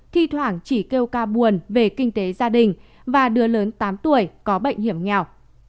thi thoảng chỉ kêu ca buồn về kinh tế gia đình và đứa lớn tám tuổi có bệnh hiểm nghèo